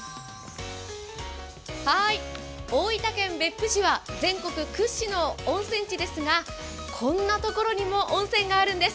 大分県別府市は全国屈指の温泉地ですがこんなところにも温泉があるんです。